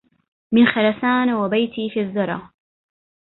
من خراسان وبيتي في الذرى